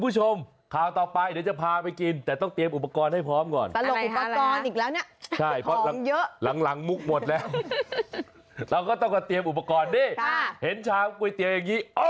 เช้าแล้วสดใสสดชื่น